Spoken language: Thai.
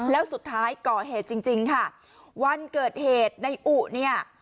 แล้วสุดท้ายก่อเหตุจริงจริงค่ะวันเกิดเหตุในอุเนี่ย